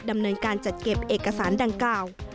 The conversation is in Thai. ดำเนินการจัดเก็บเอกสารดังกล่าว